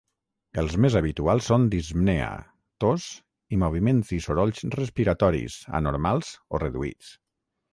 Els més habituals són dispnea, tos i moviments i sorolls respiratoris anormals o reduïts.